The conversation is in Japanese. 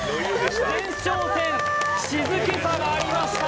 前哨戦静けさがありました